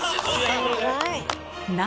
すごい今！